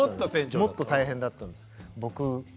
もっと大変だったんです。